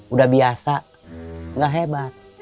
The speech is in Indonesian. udah biasa gak hebat